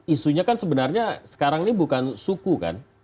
isunya kan sebenarnya sekarang ini bukan suku kan